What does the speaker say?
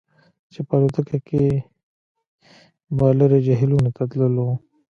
چې په الوتکه کې به لرې جهیلونو ته تللو